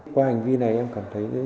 qua hành vi này em cảm thấy